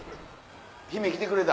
姫来てくれた。